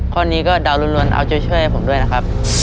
ข้อนี้ก็เดาลวนเอาใจช่วยให้ผมด้วยนะครับ